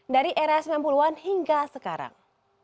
dari era sembilan puluh an hingga sekarang